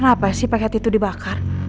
kenapa sih paket itu dibakar